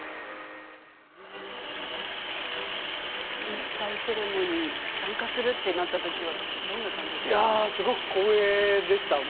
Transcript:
引退セレモニーに参加するとなった時はどんな感じでしたか。